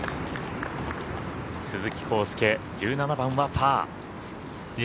鈴木晃祐、１７番はパー。